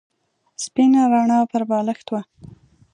سپینه رڼا پر بالښت وه.